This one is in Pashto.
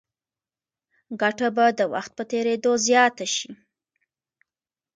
ګټه به د وخت په تېرېدو زیاته شي.